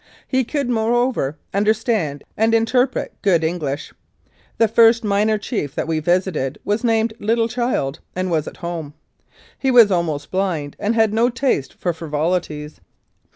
He could, moreover, understand and interpret good English. The first minor chief that we visited was named Little Child, and was at home. He was almost blind, and had no taste for frivolities.